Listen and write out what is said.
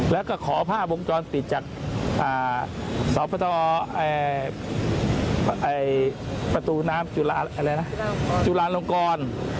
แล้วก็ขอผ้าโปรงกรรมปิดจากสรรพตประตูน้ำจุฬานลงกร